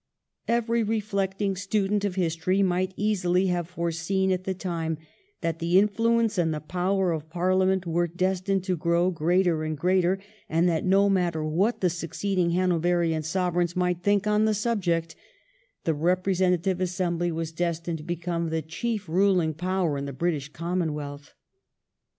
Every reflecting student of history might easily have foreseen at the time that the influence and the power of Parliament were destined to grow greater and greater, and that no matter what the succeeding Hanoverian Sovereigns might think on the subject, the representative assembly was destined to become the chief ruling power in the British Commonwealth.